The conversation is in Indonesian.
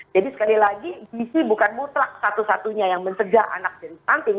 jadi sekali lagi gizi bukan mutlak satu satunya yang mencegah anak stunting